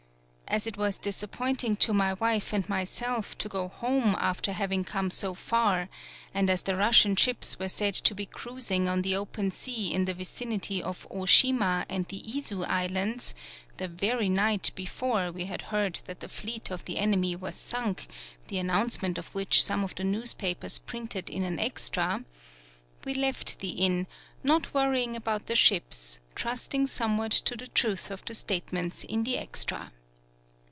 As it was disappointing to my wife and myself to go home after having come so far, and as the Russian ships were said to be cruising on the open sea in the vicinity of Oshima and the Izu Islands the very night before 136 TSUGARU STRAIT we had heard that the fleet of the enemy was sunk, the announcement of which some of the newspapers printed in an extra we left the inn, not worrying about the ships, trusting somewhat to the truth of the statements in the ex tra.